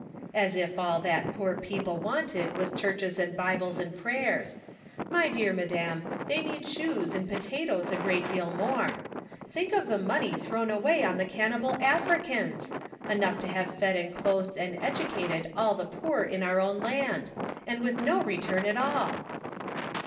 "As if all that poor people wanted was churches and Bibles and prayers ! My dear madam, they need shoes and potatoes a great deal more. Think of the money thrown away on the cannibal Africans ! Enough to have fed and clothed and educated all the poor in Seed Sown on Thorny Grround. 225 our own land ; and with no return at all."